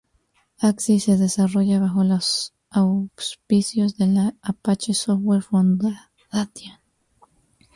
Axis se desarrolla bajo los auspicios de la Apache Software Foundation.